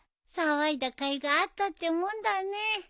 騒いだかいがあったってもんだね。